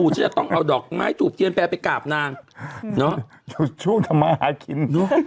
สมัยก่อนซัมโมสอน